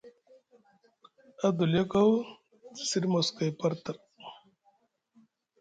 Adoliyo kaw te siɗi moskoy par tar.